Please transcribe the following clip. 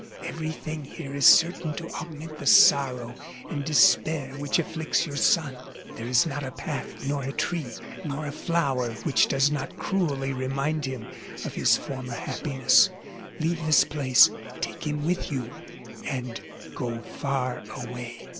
Everything here is certain to augment the sorrow and despair which afflicts your son. There is not a path, nor a tree, nor a flower which does not cruelly remind him of his former happiness. Leave this place; take him with you, and go far away."